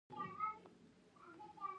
نورستان د افغانستان ښکلی ولایت دی